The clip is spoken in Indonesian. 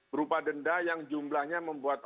berupa denda yang jumlahnya membuat